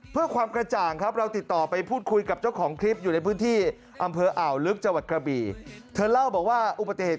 เพื่อความกระจ่างครับเราติดต่อ